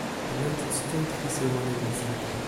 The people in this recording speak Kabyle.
Llant ttettunt tisiwanin-nsent.